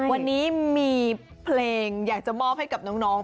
วันนี้มีเพลงอยากจะมอบให้กับน้อง